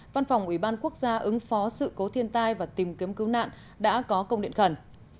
văn phòng ủy ban quốc gia ứng phó sự cố thiên tai và tìm kiếm cứu nạn đã có công điện khẩn